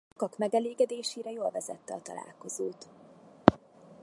Sokak megelégedésére jól vezette a találkozót.